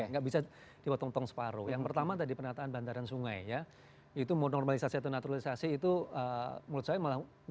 enggak bisa dibotong potong separuh yang pertama tadi penataan bandaran sungai ya itu normalisasi atau naturalisasi itu menurut saya malah nomor dua ya maksudnya